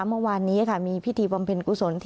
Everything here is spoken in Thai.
เมื่อวานนี้ค่ะมีพิธีปราณเพลิงกุศลที่วัดพระศรี